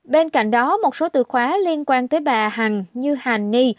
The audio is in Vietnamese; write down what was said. bên cạnh đó một số từ khóa liên quan tới bà hằng như hàn ni